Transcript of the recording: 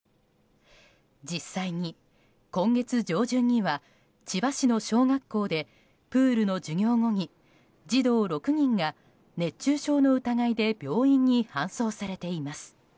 実際に今月上旬には千葉市の小学校でプールの授業後に児童６人が熱中症の疑いで病院に搬送されています。